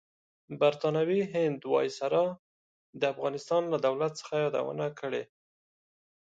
برطانوي هند وایسرای د افغانستان لۀ دولت څخه یادونه کړې.